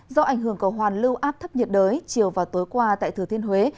do ảnh hưởng cầu hoàn lưu áp thấp nhiệt đới chiều và tối qua tại thừa thiên huế